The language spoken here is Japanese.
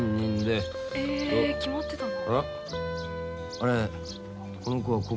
あれ？